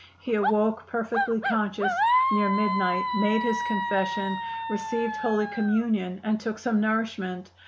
He awoke, perfectly conscious, near midnight, made his confession, received Holy Communion, and took some nourishment.